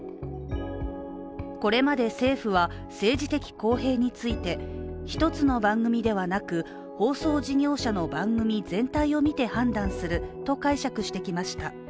これまで政府は政治的公平について一つの番組ではなく放送事業者の番組全体を見て判断すると解釈してきました。